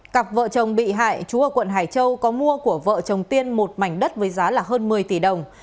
cặp vợ chồng bị hại chú ở quận hải châu có mua của vợ chồng tiên một mảnh đất với giá hơn một mươi tỷ đồng